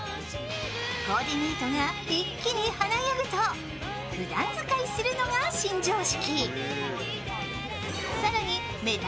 コーディネートが一気に華やぐとふだん使いするのが新常識。